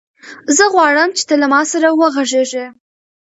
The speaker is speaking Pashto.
زه غواړم چې ته له ما سره وغږېږې.